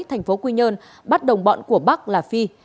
thành phố quy nhơn bắt đồng bọn của bắc là phi